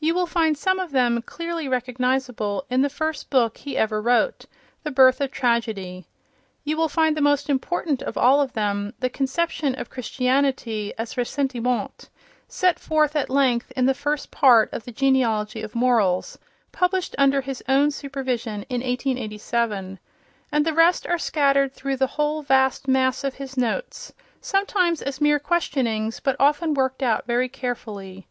You will find some of them, clearly recognizable, in the first book he ever wrote, "The Birth of Tragedy." You will find the most important of all of them—the conception of Christianity as ressentiment—set forth at length in the first part of "The Genealogy of Morals," published under his own supervision in 1887. And the rest are scattered through the whole vast mass of his notes, sometimes as mere questionings but often worked out very carefully.